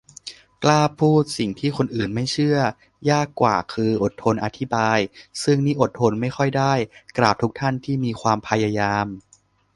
กล้าพูดสิ่งที่คนอื่นไม่เชื่อ ยากกว่าคืออดทนอธิบาย ซึ่งนี่อดทนไม่ค่อยได้ กราบทุกท่านที่มีความพยายาม